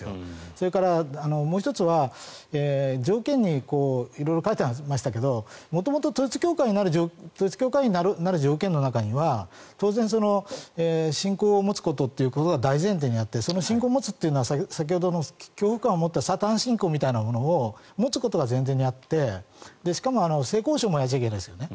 それから、もう１つは条件に色々書いてありましたけど元々教会員になる条件の中には当然、親交を持つことということが大前提にあってその信仰を持つというのは先ほどの恐怖感を持ったサタン信仰みたいなものを持つことが前提にあって性交渉もやっちゃいけないんですね。